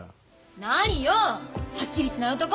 何よはっきりしない男！